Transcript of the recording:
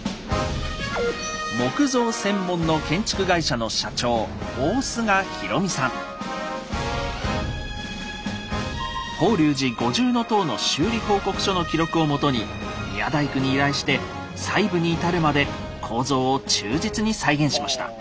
木造専門の法隆寺五重塔の修理報告書の記録をもとに宮大工に依頼して細部に至るまで構造を忠実に再現しました。